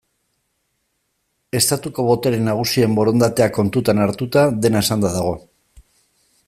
Estatuko botere nagusien borondatea kontuan hartuta, dena esanda dago.